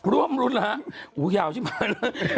ร่วมรุนหรือฮะอุ้ยยาวใช่มั้ย